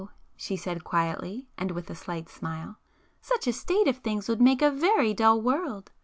she said quietly and with a slight smile—"Such a state of things would make a very dull world!